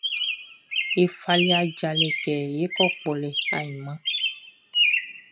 Ye fali ajalɛ kɛ é kɔ́ kpɔlɛ ainman.